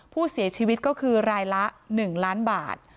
ผู้เสียชีวิตก็คือรายละ๑ล้านบาท